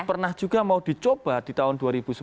pernah juga mau dicoba di tahun dua ribu sebelas